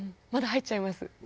まだ入っちゃいます。